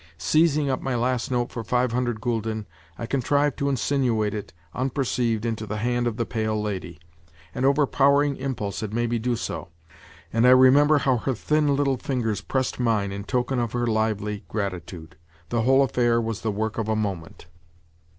Seizing up my last note for five hundred gülden, I contrived to insinuate it, unperceived, into the hand of the pale lady. An overpowering impulse had made me do so, and I remember how her thin little fingers pressed mine in token of her lively gratitude. The whole affair was the work of a moment.